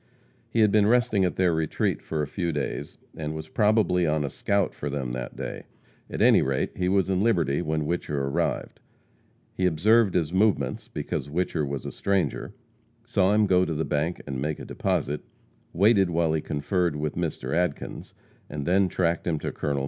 He had been resting at their retreat for a few days, and was probably on a scout for them that day. At any rate, he was in Liberty when Whicher arrived. He observed his movements, because Whicher was a stranger; saw him go to the bank and make a deposit; waited while he conferred with Mr. Adkins, and then, tracked him to Col.